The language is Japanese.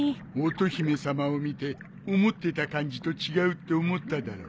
乙姫さまを見て思ってた感じと違うって思っただろ？